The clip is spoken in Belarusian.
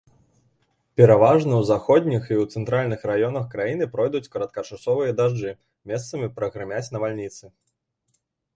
Пераважна ў заходніх і ў цэнтральных раёнах краіны пройдуць кароткачасовыя дажджы, месцамі прагрымяць навальніцы.